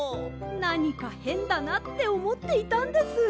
なにかへんだなっておもっていたんです。